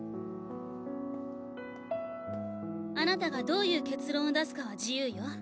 あなたがどういう結論を出すかは自由よ。